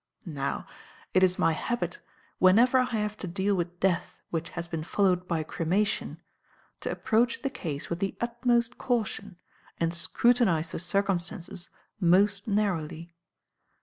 "Now, it is my habit, whenever I have to deal with death which has been followed by cremation, to approach the case with the utmost caution and scrutinize the circumstances most narrowly.